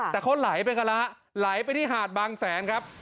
แต่เขาไหลไปกันแล้วฮะไหลไปที่หาดบางแสนครับ